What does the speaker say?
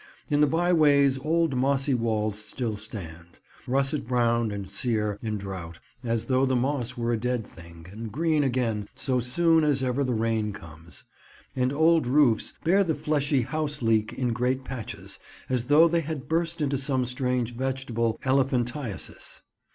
In the byways old mossy walls still stand, russet brown and sere in drought, as though the moss were a dead thing, but green again so soon as ever the rain comes; and old roofs bear the fleshy house leek in great patches, as though they had burst into some strange vegetable elephantiasis.